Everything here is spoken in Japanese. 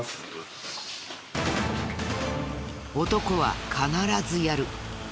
男は必ずやる。